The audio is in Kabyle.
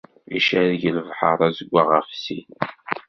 Icerreg lebḥer azeggaɣ ɣef sin.